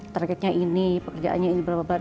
targetnya ini pekerjaannya ini berapa